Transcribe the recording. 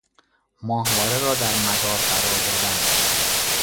ماهواره را در مدار قرار دادن